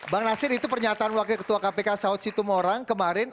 bang nasir itu pernyataan wakil ketua kpk saud situmorang kemarin